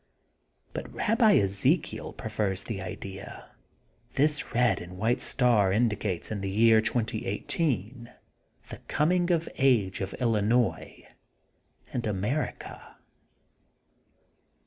'' But Rabbi Ezekiel prefers the idea that this red and white star indicates in the year 2018 the coming of age of Illinois and Amer^ ica.